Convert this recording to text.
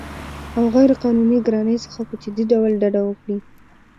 او غیرقانوني ګرانۍ څخه په جدي ډول ډډه وکړي